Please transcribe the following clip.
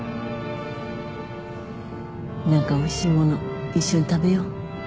何かおいしい物一緒に食べよう。